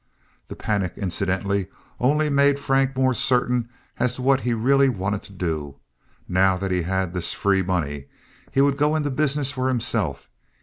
This panic, incidentally, only made Frank more certain as to what he really wanted to do—now that he had this free money, he would go into business for himself.